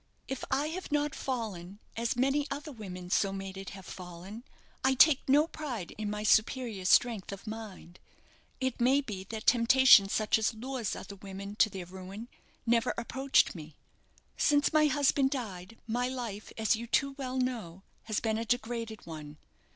If I have not fallen, as many other women so mated have fallen, I take no pride in my superior strength of mind. It may be that temptation such as lures other women to their ruin never approached me. Since my husband died, my life, as you too well know, has been a degraded one.